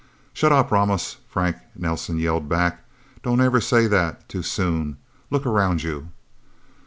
"Shut up, Ramos!" Frank Nelsen yelled back. "Don't ever say that, too soon. Look around you!"